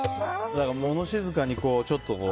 物静かにちょっとこう。